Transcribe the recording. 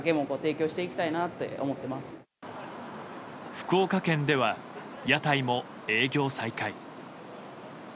福岡県では屋台も営業再開。